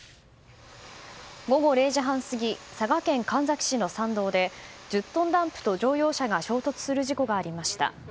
午後０時半過ぎ佐賀県神埼市の山道で１０トンダンプと乗用車が衝突する事故がありました。